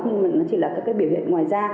nhưng mà nó chỉ là các cái biểu hiện ngoài da